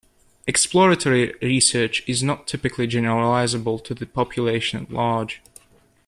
Exploratory research is not typically generalizable to the population at large.